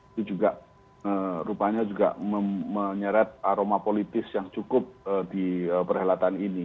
itu juga rupanya juga menyeret aroma politis yang cukup di perhelatan ini